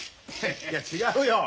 いや違うよ。